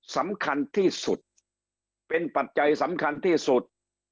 สำคัญที่สุดเป็นปัจจัยสำคัญที่สุด